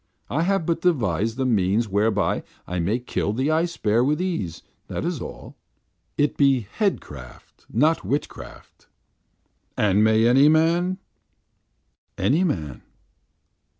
I have but devised a means whereby I may kill the ice bear with ease, that is all. It be headcraft, not witchcraft." "And may any man?" "Any man."